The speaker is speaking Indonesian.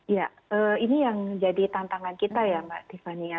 ya ini yang jadi tantangan kita ya mbak tiffany ya